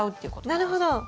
なるほど。